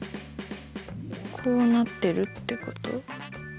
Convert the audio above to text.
こうなってるってこと？